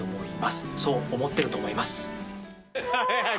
そう思ってると思います。